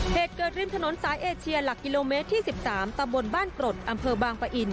เหตุเกิดริมถนนสายเอเชียหลักกิโลเมตรที่๑๓ตำบลบ้านกรดอำเภอบางปะอิน